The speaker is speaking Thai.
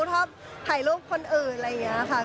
ชอบถ่ายรูปคนอื่นอะไรอย่างนี้ค่ะ